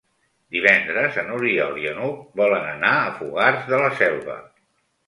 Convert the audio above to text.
Divendres n'Oriol i n'Hug volen anar a Fogars de la Selva.